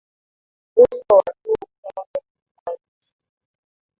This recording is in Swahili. uso wa juu pembe kubwa ya uso